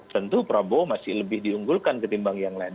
tentu prabowo masih lebih diunggulkan ketimbang yang lain